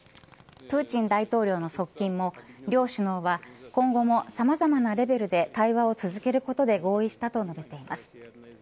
プーチン大統領の側近も両首脳は今後もさまざまなレベルで対話を続けることで合意したと述べています。